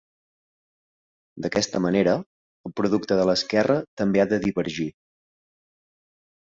D'aquesta manera, el producte de l'esquerra també ha de divergir.